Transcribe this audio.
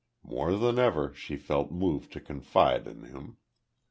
More than ever she felt moved to confide in him.